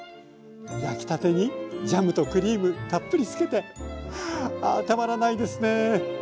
焼きたてにジャムとクリームたっぷりつけてああたまらないですね。